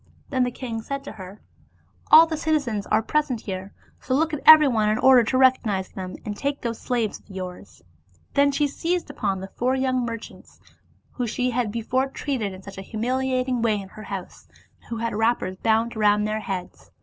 Then the king said to her, " All the citizens are present here, so look at everyone in order to recognize him, and take those slaves of yours." Then she seized upon the four young merchants, whom she had before treated in such a humiliating way in her house, and who had wrappers bound round their heads.